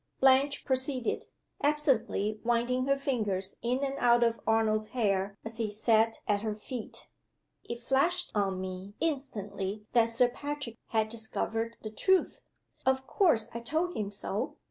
Blanche proceeded, absently winding her fingers in and out of Arnold's hair as he sat at her feet: "It flashed on me instantly that Sir Patrick had discovered the truth. Of course I told him so.